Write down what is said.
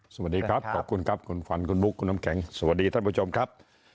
สวัสดีครับขอบคุณครับคุณขวัญคุณบุ๊คคุณน้ำแข็งสวัสดีท่านผู้ชมครับ